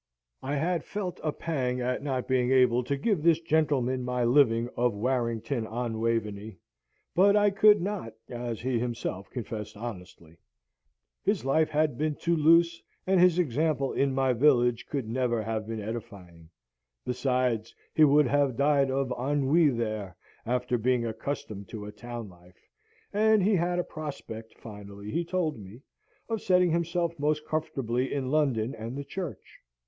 I had felt a pang at not being able to give this gentleman my living of Warrington on Waveney, but I could not, as he himself confessed honestly. His life had been too loose, and his example in my village could never have been edifying: besides, he would have died of ennui there, after being accustomed to a town life; and he had a prospect finally, he told me, of settling himself most comfortably in London and the church.